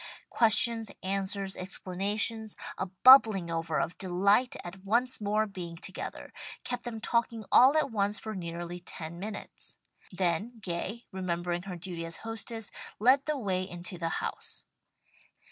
Questions, answers, explanations, a bubbling over of delight at once more being together, kept them talking all at once for nearly ten minutes. Then Gay, remembering her duty as hostess led the way into the house.